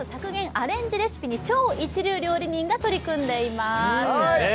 アレンジバトルに超一流料理人が取り組んでいます。